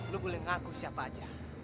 lo boleh ngaku siapa aja